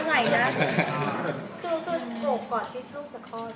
ก็เจอจิตโตก่อนเขาจะคลอด